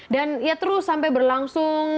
dan ya terus sampai berlangsung